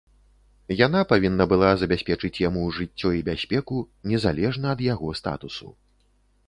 Яна павінна была забяспечыць яму жыццё і бяспеку, незалежна ад яго статусу.